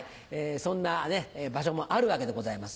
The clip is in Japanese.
そんな場所もあるわけでございます。